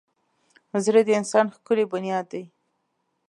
زړه د انسان ښکلی بنیاد دی.